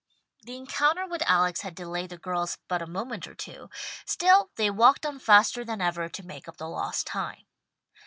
The encounter with Alex had delayed the girls but a moment or two, still they walked on faster than ever to make up the lost time.